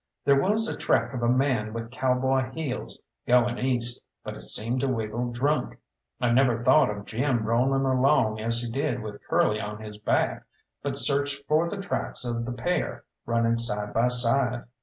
There was a track of a man with cowboy heels, going east, but it seemed to wiggle drunk. I never thought of Jim rolling along as he did with Curly on his back, but searched for the tracks of the pair running side by side.